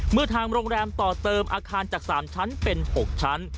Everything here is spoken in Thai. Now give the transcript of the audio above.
เมื่อทางโรงแรมต่อเติมอาคารจาก๓ชั้นเป็น๖ชั้น